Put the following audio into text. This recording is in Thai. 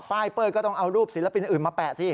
เป้ยก็ต้องเอารูปศิลปินอื่นมาแปะสิ